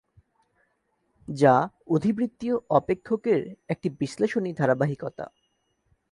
যা অধিবৃত্তীয় অপেক্ষক এর একটি বিশ্লেষণী ধারাবাহিকতা।